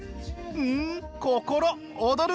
ん心躍る！